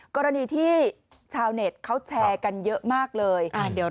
กรณีที่ชาวเน็ตเขาแชร์กันเยอะมากเลย